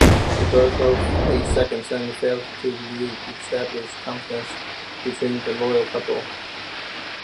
The birth of a second son failed to re-establish confidence between the royal couple.